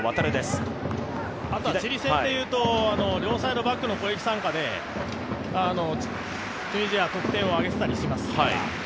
チリ戦でいうと両サイドバックの攻撃参加でチュニジア、得点を挙げてたりします。